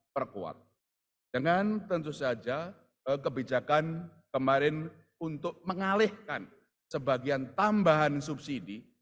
perkuat dengan tentu saja kebijakan kemarin untuk mengalihkan sebagian tambahan subsidi